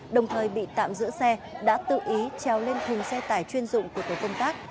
đồng thời bị tạm giữ xe đã tự ý treo lên thùng xe tải chuyên dụng của tổ công tác